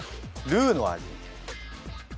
ルーの味！